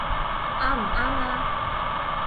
啱唔啱呀？